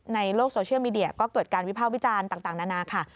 ในโลกโซเชียลมีเดียก็เกิดการวิภาควิจารณ์ต่างนานาค่ะ